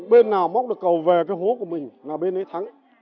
bên nào móc được cầu về cái hố của mình là bên ấy thắng